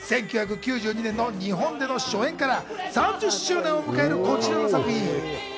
１９９２年の日本での初演から３０周年を迎えるこちらの作品。